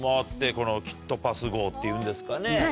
このキットパス号っていうんですかね。